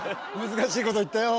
難しいこと言ったよ。